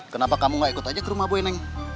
kenapa kamu gak ikut aja ke rumah boy neng